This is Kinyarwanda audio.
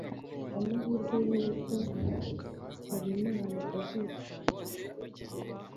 amahirwe yuko habimana azicwa ni make cyane